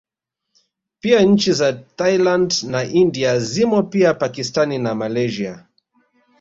Pia nchi za Thailand na India zimo pia Pakistani na Malaysia